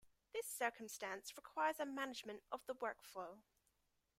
This circumstance requires a management of the workflow.